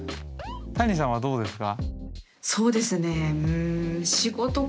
たにさんはどうですか？